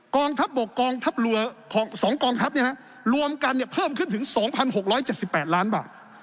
กองทัพบกกองทัพเรือ๒กองทัพรวมกันเพิ่มขึ้นถึง๒๖๗๘ล้านบาท